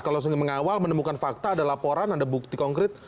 kalau sudah mengawal menemukan fakta ada laporan ada bukti konkret